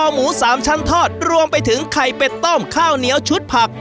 หมูสามชั้นทอดรวมไปถึงไข่เป็ดต้มข้าวเหนียวชุดผัก